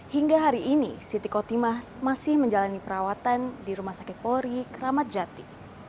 hingga hari ini siti kotimah masih menjalani perawatan di rumah sakit polri kramat jati